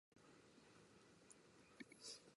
It is an equivalent to other markets' S model.